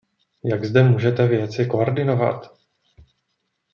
Jak zde můžete věci koordinovat?